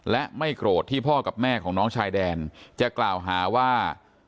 และไม่โกรธที่พ่อกับแม่ของน้องชายแดนจะกล่าวหาว่า